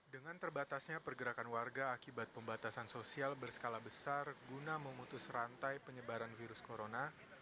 dengan terbatasnya pergerakan warga akibat pembatasan sosial berskala besar guna memutus rantai penyebaran virus corona